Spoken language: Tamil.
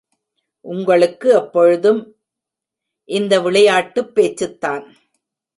உங்களுக்கு எப்பொழுதும் இந்த விளையாட்டுப் பேச்சுத்தான்.